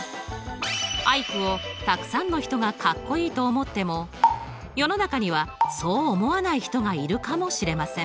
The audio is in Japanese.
アイクをたくさんの人がかっこいいと思っても世の中にはそう思わない人がいるかもしれません。